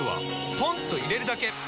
ポンと入れるだけ！